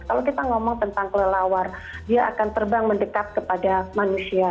kalau kita ngomong tentang kelelawar dia akan terbang mendekat kepada manusia